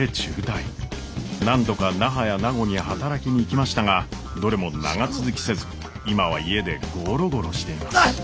何度か那覇や名護に働きに行きましたがどれも長続きせず今は家でゴロゴロしています。